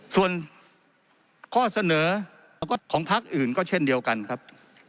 ส่วนข้อเสนอของพักอื่นก็เช่นเดียวกันครับ